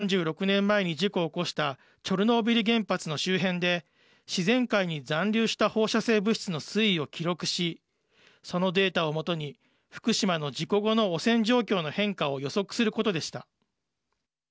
共同研究の目的は３６年前に事故を起こしたチョルノービリ原発の周辺で自然界に残留した放射性物質の推移を記録しそのデータを基に福島の事故後の汚染状況の変化を予測することでした。